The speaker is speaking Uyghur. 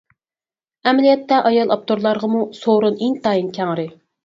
ئەمەلىيەتتە ئايال ئاپتورلارغىمۇ سورۇن ئىنتايىن كەڭرى.